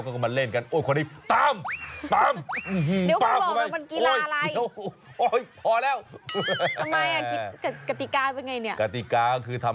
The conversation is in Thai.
ก็กำลังมาเล่นกันโอ้ยคนนี้ตามตามตาม